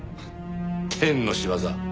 天の仕業？